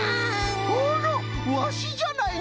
あらワシじゃないの！